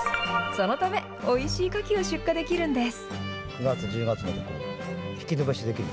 そのため、おいしいカキを出荷できるんです。